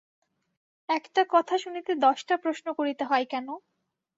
একটা কথা শুনিতে দশটা প্রশ্ন করিতে হয় কেন?